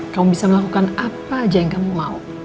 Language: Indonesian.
kamu bisa melakukan apa aja yang kamu mau